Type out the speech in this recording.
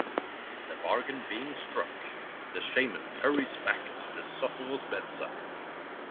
The bargain being struck, the shaman hurries back to the sufferer's bedside.